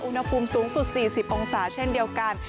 อุณหภูมิสูงสุด๔๐องศาเช่นเดียวกัน